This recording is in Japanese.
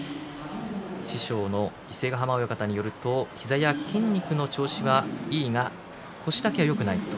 師匠の伊勢ヶ濱親方によると膝や筋肉の調子はいいが腰だけはよくないと。